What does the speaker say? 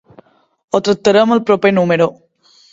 Ho tractarem al proper número.